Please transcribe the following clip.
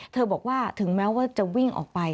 บอกว่าถึงแม้ว่าจะวิ่งออกไป